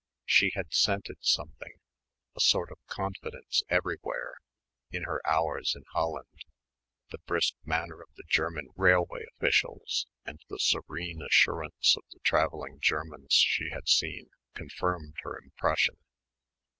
She had scented something, a sort of confidence, everywhere, in her hours in Holland, the brisk manner of the German railway officials and the serene assurance of the travelling Germans she had seen, confirmed her impression.